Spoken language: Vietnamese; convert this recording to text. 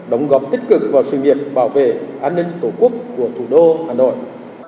đóng góp tích cực vào sự nghiệp bảo vệ an ninh tổ quốc của thủ đô hà nội